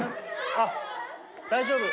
あっ大丈夫。